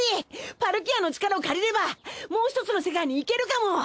パルキアの力を借りればもう１つの世界に行けるかも。